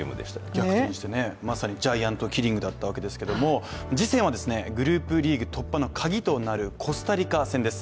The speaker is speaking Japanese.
逆転して、まさにジャイアントキリングだったわけですけれども、次戦はグループリーグ突破のカギとなるコスタリカ戦です。